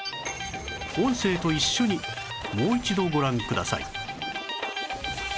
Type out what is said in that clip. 音声と一緒にもう一度ご覧ください